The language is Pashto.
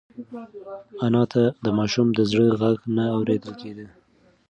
انا ته د ماشوم د زړه غږ نه اورېدل کېده.